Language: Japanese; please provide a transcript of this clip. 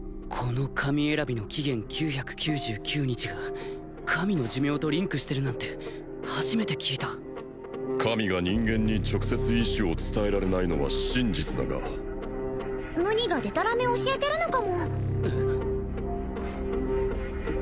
この神選びの期限９９９日が神の寿命とリンクしてるなんて初めて聞いた神が人間に直接意思を伝えられないのは真実だがムニがデタラメ教えてるのかもえっ？